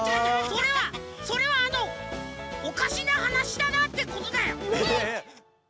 それはそれはあのおかしなはなしだなってことだよ。